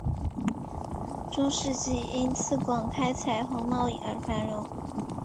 中世纪因锡矿开采和贸易而繁荣。